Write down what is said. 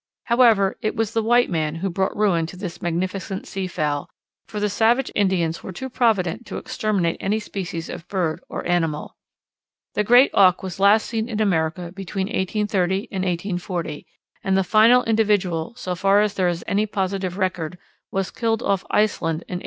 However, it was the white man who brought ruin to this magnificent sea fowl, for the savage Indians were too provident to exterminate any species of bird or animal. The Great Auk was last seen in America between 1830 and 1840, and the final individual, so far as there is any positive record, was killed off Iceland in 1841.